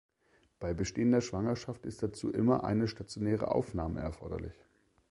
Bei bestehender Schwangerschaft ist dazu immer einer stationäre Aufnahme erforderlich.